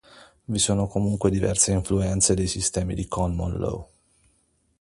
Vi sono comunque diverse influenze dei sistemi di common law.